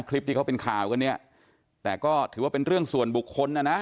คลิปที่เขาเป็นข่าวกันเนี่ยแต่ก็ถือว่าเป็นเรื่องส่วนบุคคลนะนะ